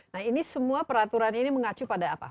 nah ini semua peraturan ini mengacu pada apa